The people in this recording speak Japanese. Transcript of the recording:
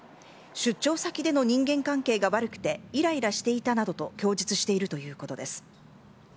出張先での人間関係が悪くて、いらいらしていたなどと供述しているということです。